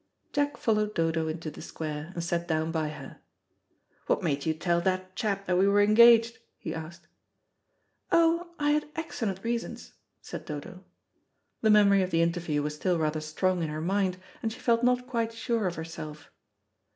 Jack followed Dodo into the square, and sat down by her. "What made you tell that chap that we were engaged?" he asked. "Oh, I had excellent reasons," said Dodo. The memory of the interview was still rather strong in her mind, and she felt not quite sure of herself.